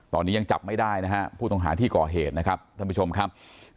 ตอนนี้ยังจับไม่ได้นะฮะผู้ต้องหาที่ก่อเหตุนะครับท่านผู้ชมครับ